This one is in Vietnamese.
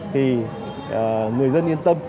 thì người dân yên tâm